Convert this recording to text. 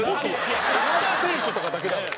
サッカー選手とかだけなのよ。